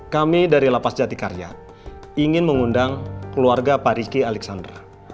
kami dari lapas jati karya ingin mengundang keluarga pak ricky alexander